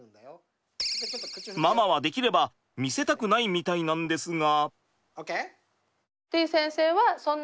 ママはできれば見せたくないみたいなんですが。